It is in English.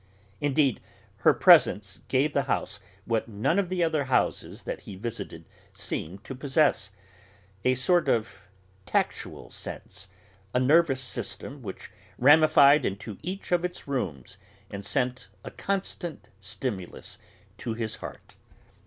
Indeed, her presence gave the house what none other of the houses that he visited seemed to possess: a sort of tactual sense, a nervous system which ramified into each of its rooms and sent a constant stimulus to his heart.